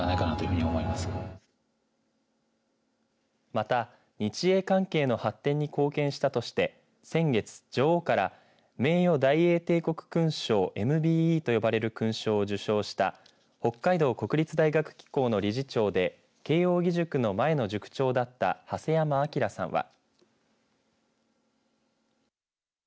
また、日英関係の発展に貢献したとして先月女王から名誉大英帝国勲章ＭＢＥと呼ばれる勲章を受章した北海道国立大学機構の理事長で慶應義塾の前の塾長だった長谷山彰さんは。